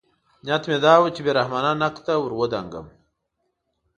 نیت مې دا و چې بې رحمانه نقد ته ورودانګم.